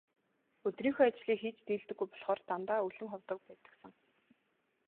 Өдрийнхөө ажлыг хийж дийлдэггүй болохоор дандаа өлөн ховдог байдагсан.